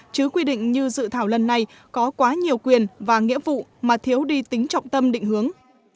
chứ quy định như dự thảo lần này có quá nhiều quyền và nghĩa vụ mà thiếu đi tính trọng tâm định hướng